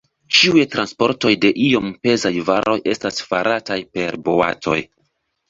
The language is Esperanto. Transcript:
Ĉiuj transportoj de iom pezaj varoj estas farataj per boatoj.